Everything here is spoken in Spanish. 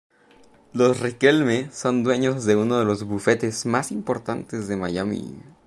Los Riquelme son dueños de uno de los bufetes más importantes de Miami.